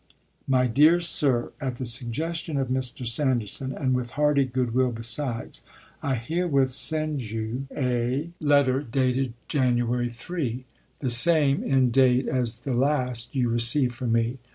My Dear Sir: At the suggestion of Mr. Sanderson, and with hearty good will besides, I herewith send you a 358 ABEAHAM LINCOLN ch. xxii. letter dated Jan. 3 — the same in date as the last you received from me.